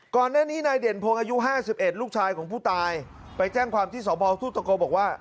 ก่อนหน้านี้นายเด่นพงศ์อายุ๕๑ลูกชายของผู้ตายไปแจ้งความที่สพทุ่งตะโกบอกว่า